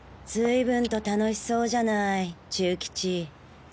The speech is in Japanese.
ずいぶんと楽しそうじゃないチュウキチ。